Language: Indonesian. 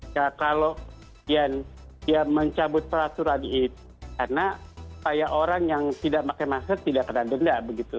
kalau dia mencabut peraturan itu karena orang yang tidak pakai masker tidak kena denda